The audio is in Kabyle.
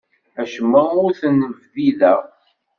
Acemma ur t-nbiḍeɣ.